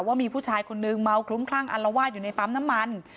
ว่ามีผู้ชายคนนึงเมาคลุ้มคลั่งอัลวาดอยู่ในปั๊มน้ำมัน